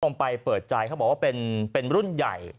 ไปเปิดใจเขาบอกว่าเป็นรุ่นใหญ่